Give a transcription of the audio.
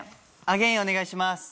アゲインお願いします。